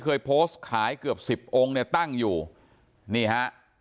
เคยโพสต์ขายเกือบสิบองค์เนี่ยตั้งอยู่นี่ฮะ